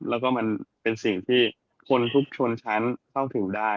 แล้วก็มันเป็นสิ่งที่คนทุกชนชั้นเข้าถึงได้